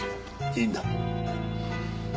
いいんだ。